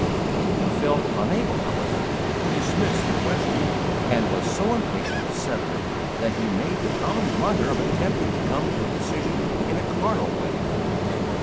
He felt unable, however, to dismiss the question, and was so impatient to settle it that he made the common blunder of attempting to come to a decision in a carnal way.